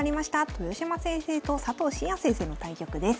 豊島先生と佐藤紳哉先生の対局です。